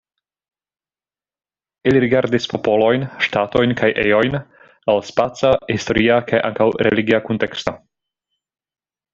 Ili rigardis popolojn, ŝtatojn kaj ejojn el spaca, historia kaj ankaŭ religia kunteksto.